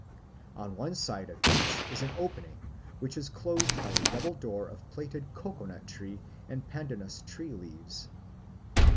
On one side of each is an opening which is closed by a double door of plaited cocoa nut tree and pandanus tree leaves.